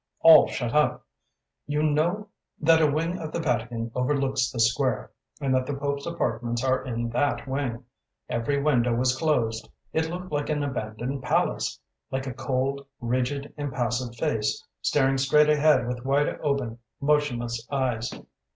"All shut up. You know that a wing of the Vatican overlooks the square, and that the Pope's apartments are in that wing. Every window was closed; it looked like an abandoned palace; like a cold, rigid, impassive face, staring straight ahead with wide open motionless eyes.